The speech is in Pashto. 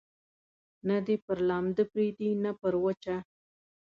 نه دي پر لنده پرېږدي، نه پر وچه.